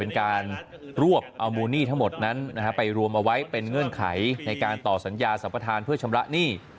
เป็นการรวบเอามูลหนี้ทั้งหมดนั้นไปรวมเอาไว้เป็นเงื่อนไขในการต่อสัญญาสัมปทานเพื่อชำระหนี้